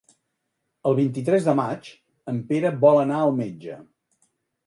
El vint-i-tres de maig en Pere vol anar al metge.